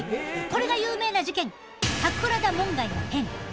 これが有名な事件桜田門外の変。